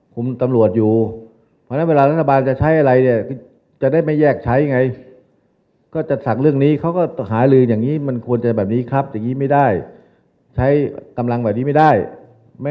ก็อาจจะต้องมีการลงโทษปรับปรับด้วย